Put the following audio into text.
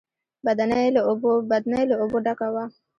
بدنۍ له اوبو ډکه وه.